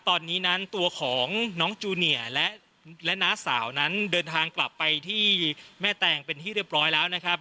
ตอนนี้นั้นตัวของน้องจูเนียและน้าสาวนั้นเดินทางกลับไปที่แม่แตงเป็นที่เรียบร้อยแล้วนะครับ